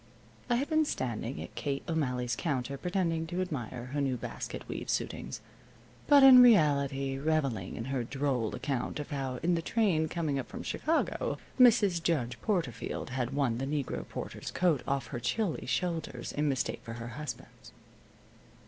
I had been standing at Kate O'Malley's counter, pretending to admire her new basket weave suitings, but in reality reveling in her droll account of how, in the train coming up from Chicago, Mrs. Judge Porterfield had worn the negro porter's coat over her chilly shoulders in mistake for her husband's.